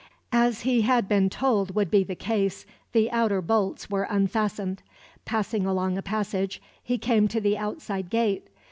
As he had been told would be the case, the outer bolts were unfastened. Passing along a passage, he came to the outside gate.